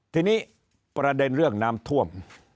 ทีนี้ประเด็นเรื่องน้ำท่วม